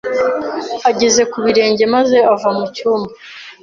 ageze ku birenge maze ava mu cyumba.